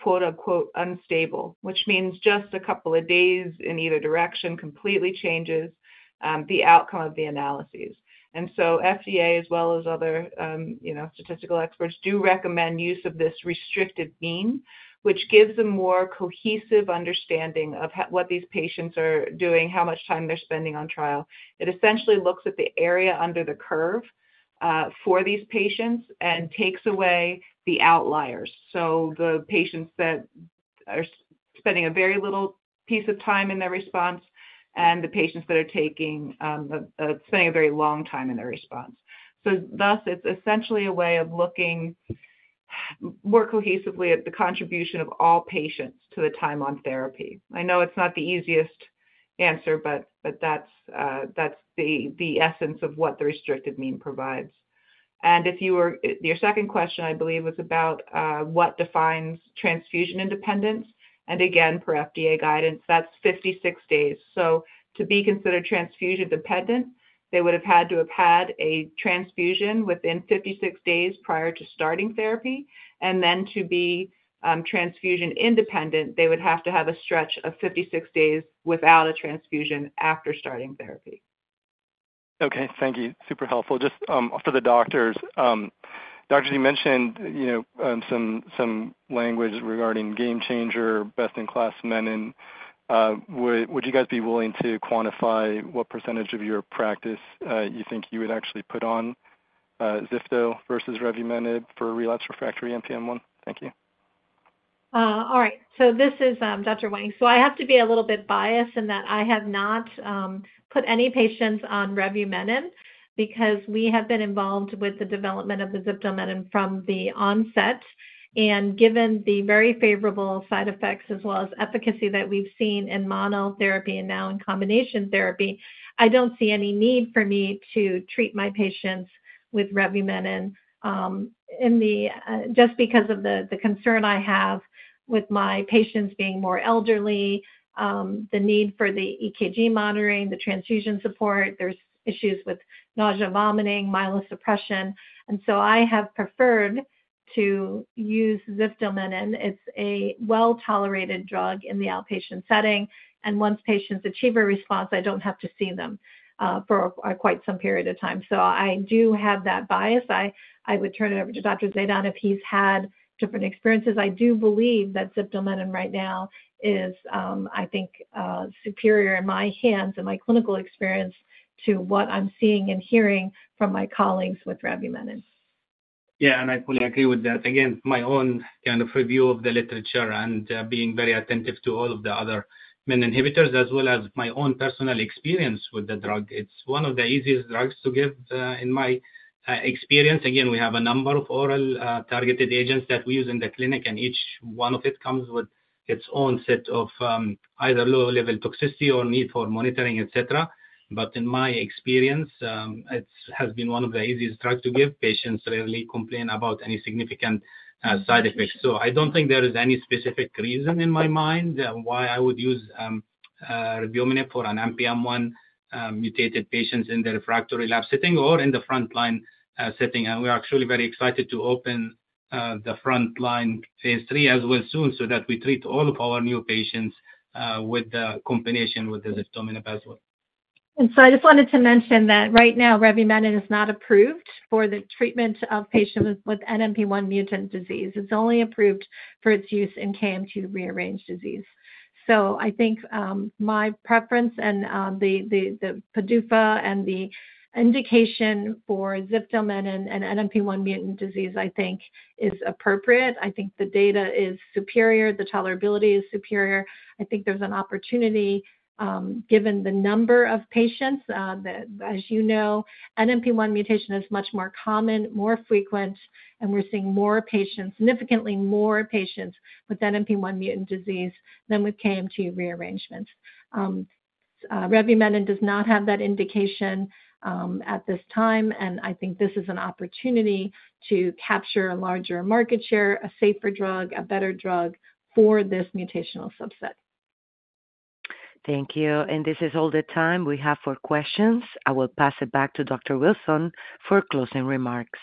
"unstable," which means just a couple of days in either direction completely changes the outcome of the analyses. FDA, as well as other statistical experts, do recommend use of this restricted mean, which gives a more cohesive understanding of what these patients are doing, how much time they're spending on trial. It essentially looks at the area under the curve for these patients and takes away the outliers. The patients that are spending a very little piece of time in their response and the patients that are spending a very long time in their response. Thus, it's essentially a way of looking more cohesively at the contribution of all patients to the time on therapy. I know it's not the easiest answer, but that's the essence of what the restricted mean provides. Your second question, I believe, was about what defines transfusion independence. Again, per FDA guidance, that's 56 days. To be considered transfusion dependent, they would have had to have had a transfusion within 56 days prior to starting therapy. Then to be transfusion independent, they would have to have a stretch of 56 days without a transfusion after starting therapy. Okay. Thank you. Super helpful. Just for the doctors, you mentioned some language regarding game changer, best-in-class menin. Would you guys be willing to quantify what percentage of your practice you think you would actually put on ziftomenib versus revumenib for relapsed refractory NPM1? Thank you. All right. This is Dr. Wang. I have to be a little bit biased in that I have not put any patients on revumenib because we have been involved with the development of the ziftomenib from the onset. Given the very favorable side effects as well as efficacy that we've seen in monotherapy and now in combination therapy, I do not see any need for me to treat my patients with revumenib just because of the concern I have with my patients being more elderly, the need for the EKG monitoring, the transfusion support. There are issues with nausea, vomiting, myelosuppression. I have preferred to use ziftomenib. It's a well-tolerated drug in the outpatient setting. Once patients achieve a response, I don't have to see them for quite some period of time. I do have that bias. I would turn it over to Dr. Zaidan if he's had different experiences. I do believe that ziftomenib right now is, I think, superior in my hands and my clinical experience to what I'm seeing and hearing from my colleagues with revumenib. Yeah. I fully agree with that. Again, my own kind of review of the literature and being very attentive to all of the other menin inhibitors as well as my own personal experience with the drug. It's one of the easiest drugs to give in my experience. Again, we have a number of oral targeted agents that we use in the clinic, and each one of it comes with its own set of either low-level toxicity or need for monitoring, etc. But in my experience, it has been one of the easiest drugs to give. Patients rarely complain about any significant side effects. I do not think there is any specific reason in my mind why I would use Revumenib for an NPM1 mutated patient in the refractory lab setting or in the frontline setting. We are actually very excited to open the frontline phase III as well soon so that we treat all of our new patients with the combination with the ziftomenib as well. I just wanted to mention that right now, revumenib is not approved for the treatment of patients with NPM1 mutant disease. It's only approved for its use in KMT2A-rearranged disease. I think my preference and the PDUFA and the indication for ziftomenib in NPM1 mutant disease, I think, is appropriate. I think the data is superior. The tolerability is superior. I think there's an opportunity given the number of patients. As you know, NPM1 mutation is much more common, more frequent, and we're seeing significantly more patients with NPM1 mutant disease than with KMT2A rearrangements. Revumenib does not have that indication at this time. I think this is an opportunity to capture a larger market share, a safer drug, a better drug for this mutational subset. Thank you. This is all the time we have for questions. I will pass it back to Dr. Wilson for closing remarks.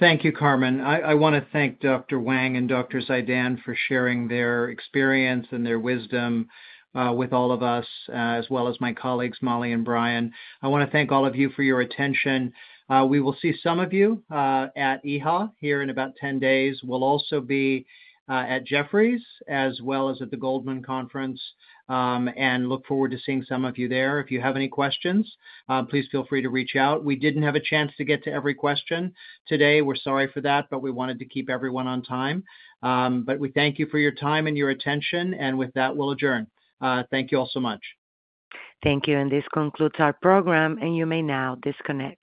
Thank you, Carmen. I want to thank Dr. Wang and Dr. Zaidan for sharing their experience and their wisdom with all of us, as well as my colleagues, Mollie and Brian. I want to thank all of you for your attention. We will see some of you at EHA here in about 10 days. We'll also be at Jefferies as well as at the Goldman Conference and look forward to seeing some of you there. If you have any questions, please feel free to reach out. We did not have a chance to get to every question today. We are sorry for that, but we wanted to keep everyone on time. We thank you for your time and your attention. With that, we will adjourn. Thank you all so much. Thank you. This concludes our program. You may now disconnect.